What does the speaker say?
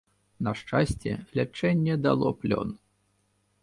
На шчасце, лячэнне дало плён.